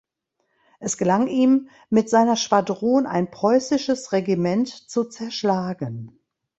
Es gelang ihm mit seiner Schwadron ein preußisches Regiment zu zerschlagen.